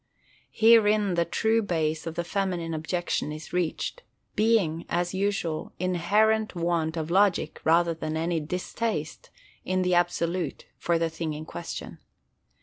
Herein the true base of the feminine objection is reached; being, as usual, inherent want of logic rather than any distaste, in the absolute, for the thing in question.